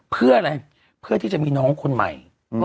เพื่ออะไรเพื่อที่จะมีน้องคนใหม่